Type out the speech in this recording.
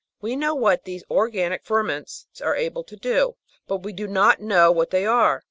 We know what these organic ferments are able to do ; but we do not know what they are.